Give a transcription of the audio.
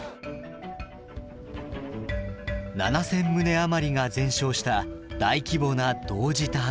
７，０００棟余りが全焼した大規模な同時多発火災。